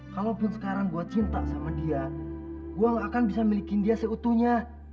kalaupun sekarang gue cinta sama dia gue gak akan bisa milikin dia seutuhnya